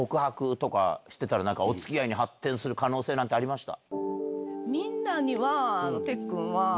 お付き合いに発展する可能性なんてありました？